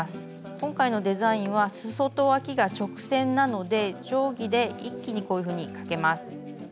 今回のデザインはすそとわきが直線なので定規で一気にこういうふうに描けます。